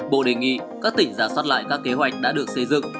bộ đề nghị các tỉnh giả soát lại các kế hoạch đã được xây dựng